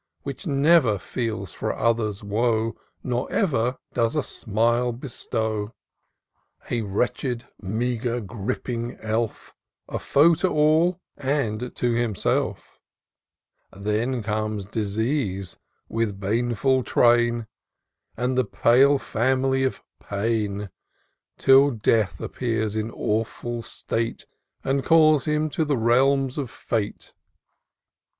Which never feels for others' woe. Nor ever does a smile bestow ; A wretched, meagre, griping elf, A foe to all, and to himself: Then comes Disease, with baneful train, And the pale family of Pain : 100 TOUR OF DOCTOR SYNTAX Till Death appears m awful state, And calls him to the realms of Fate.